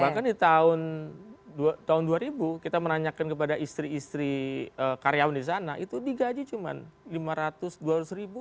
bahkan di tahun dua ribu kita menanyakan kepada istri istri karyawan di sana itu digaji cuma lima ratus dua ratus ribu